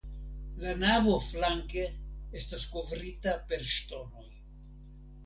La navo flanke estas kovrita per ŝtonoj.